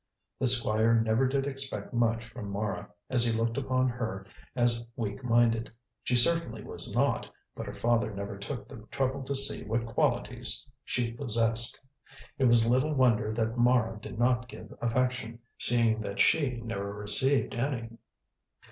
The Squire never did expect much from Mara, as he looked upon her as weak minded. She certainly was not, but her father never took the trouble to see what qualities she possessed. It was little wonder that Mara did not give affection, seeing that she never received any.